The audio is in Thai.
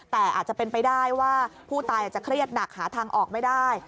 แต่อาจจะเป็นไปได้ว่าผู้ตายอาจจะเครียดหนักหาทางออกไม่ได้